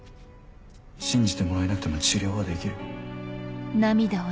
信じてもらえなくても治療はできる。